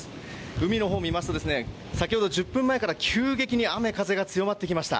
海の方を見ますと先ほど、１０分前から急激に雨風が強まってきました。